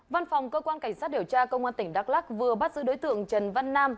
văn phòng cơ quan cảnh sát điều tra công an tỉnh đắk lắc vừa bắt giữ đối tượng trần văn nam